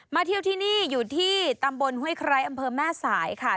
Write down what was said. เที่ยวที่นี่อยู่ที่ตำบลห้วยไคร้อำเภอแม่สายค่ะ